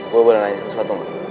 gue boleh tanya sesuatu gak